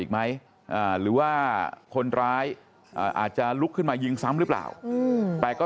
อีกไหมหรือว่าคนร้ายอาจจะลุกขึ้นมายิงซ้ำหรือเปล่าแต่ก็